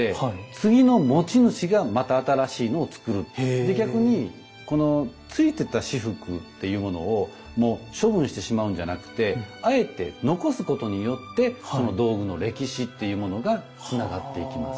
で逆にこの付いてた仕覆っていうものを処分してしまうんじゃなくてあえて残すことによってその道具の歴史というものがつながっていきます。